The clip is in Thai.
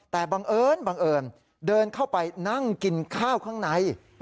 แต่บังเอิญบังเอิญเดินเข้าไปนั่งกินข้าวข้างใน